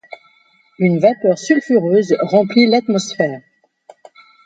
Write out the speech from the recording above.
Une vapeur sulfureuse remplit l’atmosphère.